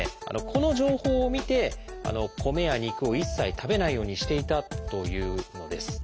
この情報を見て米や肉を一切食べないようにしていたというのです。